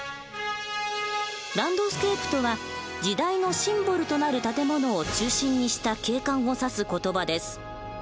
「ランドスケープ」とは時代のシンボルとなる建物を中心にした景観を指す言葉です。